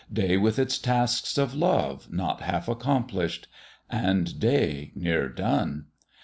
Day with its tasks of love not half accomplished. And Day near done